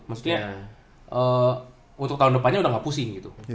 maksudnya untuk tahun depannya udah gak pusing gitu